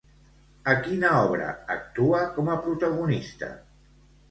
A quina obra actua com a protagonista?